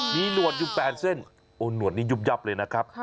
มีหนวดยุบแปดเส้นหนวดนี้ยุบยับเลยนะครับ